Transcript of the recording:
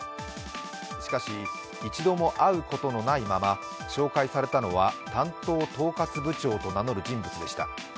しかし１度も会うことのないまま紹介されたのは担当統括部長と名乗る人物でした。